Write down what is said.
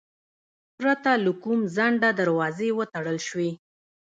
پرته له کوم ځنډه دروازې وتړل شوې.